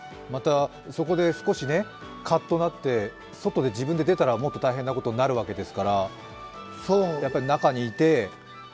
そこで少し、カッとなって外で自分が出たらもっと大変なことになるわけですから、やっぱり中にいて。